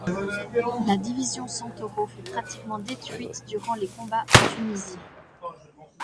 La division Centauro fut pratiquement détruite durant les combats en Tunisie.